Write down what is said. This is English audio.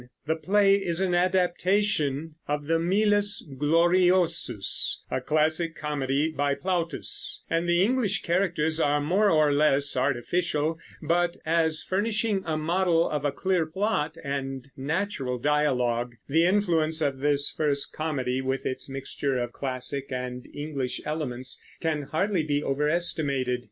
The play is an adaptation of the Miles Gloriosus, a classic comedy by Plautus, and the English characters are more or less artificial; but as furnishing a model of a clear plot and natural dialogue, the influence of this first comedy, with its mixture of classic and English elements, can hardly be overestimated.